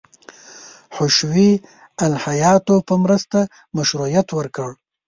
حشوي الهیاتو په مرسته مشروعیت ورکړ.